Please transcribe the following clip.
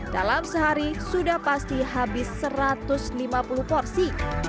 dalam sehari sudah pasti habis satu ratus lima puluh porsi